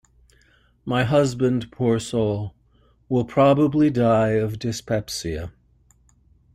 My husband, poor soul, will probably die of dyspepsia.